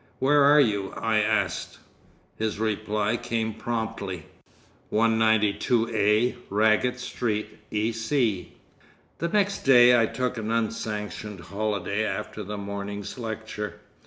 "Where are you?" I asked. His reply came promptly: "192A, Raggett Street, E.C." The next day I took an unsanctioned holiday after the morning's lecture.